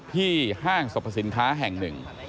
ห้างสรรพสินค้าแห่งหนึ่ง